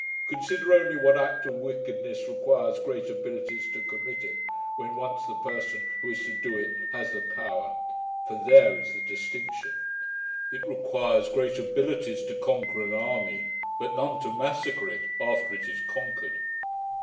Consider only what act of wickedness requires great abilities to commit it, when once the person who is to do it has the power; for THERE is the distinction. It requires great abilities to conquer an army, but none to massacre it after it is conquered.'